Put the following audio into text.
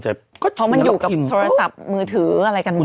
เพราะมันอยู่กับโทรศัพท์มือถืออะไรกันหมด